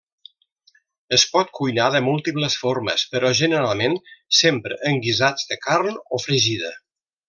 Es pot cuinar de múltiples formes, però generalment s'empra en guisats de carn o fregida.